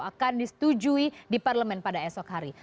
akan disetujui di parlemen pada esok hari